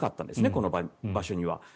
この場所には。